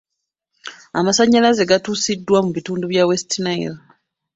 Amasannyalaze gatuusiddwa mu bitundu by'e West Nile.